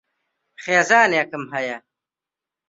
خێزانێکم ھەیە.